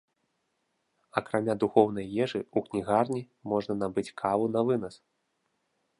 Акрамя духоўнай ежы, у кнігарні можна набыць каву навынас.